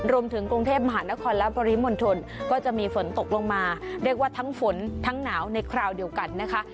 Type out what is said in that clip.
รวมถึงกรุงเทพมหานครและปริมณฑลก็จะมีฝนตกลงมาเรียกว่าทั้งฝนทั้งหนาวในคราวเดียวกันนะคะ